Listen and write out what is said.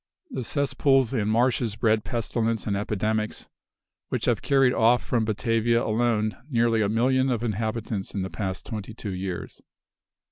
The cess pools and marshes bred pestilence and epidemics, which have carried off from Batavia alone nearly a million of inhabitants in the past twenty two years.